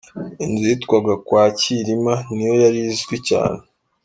Inzu yitwaga kwa Cyirima ni yo yari izwi cyane.